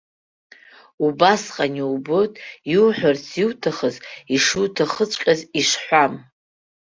Убасҟан иубоит иуҳәарц иуҭахыз ишуҭахыҵәҟьаз ишҳәам.